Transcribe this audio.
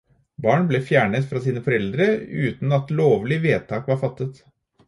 Barn ble fjernet fra sine foreldre uten at lovlig vedtak var fattet.